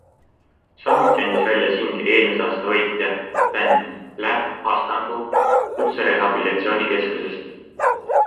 Samuti andis välja singli eelmise aasta võitja - bänd Bläh Astangu Kutserehabilitatsioonikeskusest.